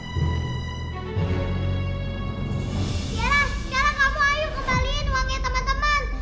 ciara ciara kamu ayo kembaliin uangnya teman teman